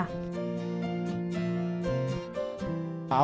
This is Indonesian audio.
pembangunan pusat kegiatan belajar masyarakat yayasan himata